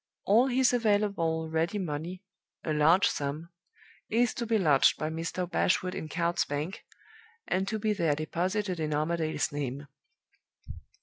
All his available ready money (a large sum) is to be lodged by Mr. Bashwood in Coutts's Bank, and to be there deposited in Armadale's name.